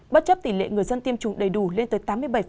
bất chấp tỷ lệ người dân tiêm chủng đầy đủ lên tới tám mươi bảy